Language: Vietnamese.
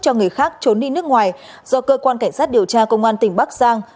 cho người khác trốn đi nước ngoài do cơ quan cảnh sát điều tra công an tỉnh bắc giang